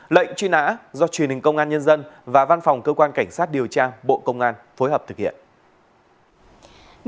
lệnh truy nã do truyền hình công an nhân dân và văn phòng cơ quan cảnh sát điều tra bộ công an phối hợp thực hiện